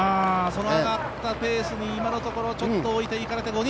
上がったペースに今のところ、置いていかれて５人。